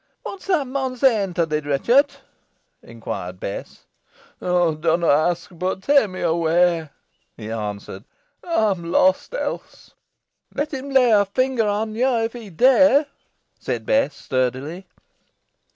"What is that mon sayin' to thee, Ruchot?" inquired Bess. "Dunna ax, boh tak me away," he answered. "Ey am lost else." "Let him lay a finger on yo if he dare," said Bess, sturdily.